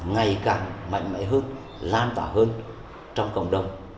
ngày càng mạnh mẽ hơn lan tỏa hơn trong cộng đồng